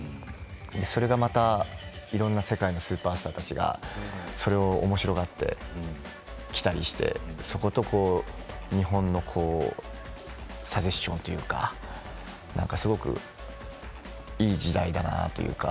それがまたいろいろ世界のスーパースターたちがおもしろがって着たりしてそこと日本のサジェスチョンというかいい時代だなというか。